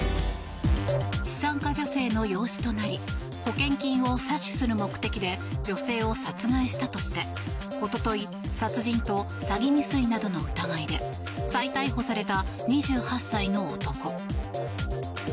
資産家女性の養子となり保険金を詐取する目的で女性を殺害したとしておととい殺人と詐欺未遂などの疑いで再逮捕された２８歳の男。